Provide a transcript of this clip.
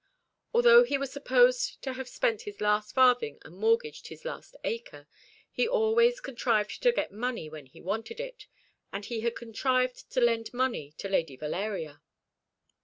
Although he was supposed to have spent his last farthing and mortgaged his last acre, he always contrived to get money when he wanted it; and he had contrived to lend money to Lady Valeria.